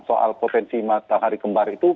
soal potensi matahari kembar itu